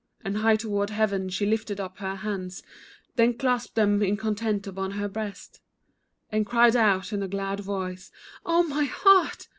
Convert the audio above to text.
And high toward Heaven she lifted up her hands, Then clasped them in content upon her breast, And cried out in a glad voice, "oh, my heart!"